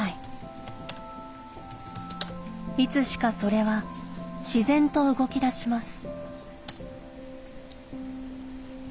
いつしかそれは自然と動きだします。